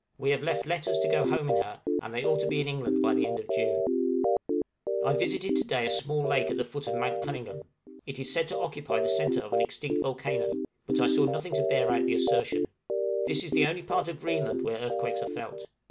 We have left letters to go home in her, and they ought to be in England by the end of June. {AN EARTHQUAKE.} I visited to day a small lake at the foot of Mount Cunningham; it is said to occupy the centre of an extinct volcano: but I saw nothing to bear out the assertion. This is the only part of Greenland where earthquakes are felt.